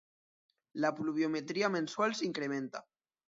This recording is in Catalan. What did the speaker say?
La pluviometria mensual s'incrementa.